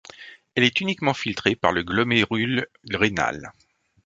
Elle est uniquement filtrée par le glomérule rénal.